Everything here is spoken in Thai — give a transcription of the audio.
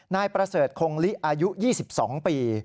นายประเสริฐคงลิอายุ๒๒ปี